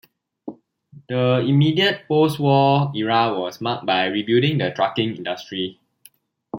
The immediate post-war era was marked by rebuilding the trucking industry.